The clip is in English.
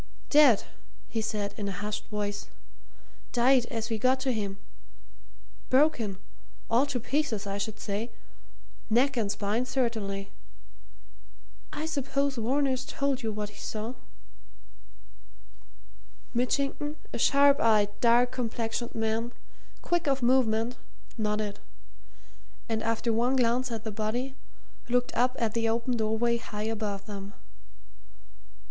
"Dead!" he said in a hushed voice. "Died as we got to him. Broken all to pieces, I should say neck and spine certainly. I suppose Varner's told you what he saw." Mitchington, a sharp eyed, dark complexioned man, quick of movement, nodded, and after one glance at the body, looked up at the open doorway high above them.